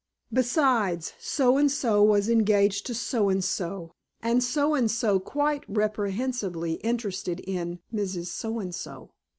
Besides, So and So was engaged to So and So, and So and So quite reprehensibly interested in Mrs. So and So.